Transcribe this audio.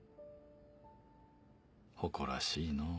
誇らしいのう。